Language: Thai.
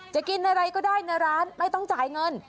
กินอะไรก็ได้ในร้านไม่ต้องจ่ายเงิน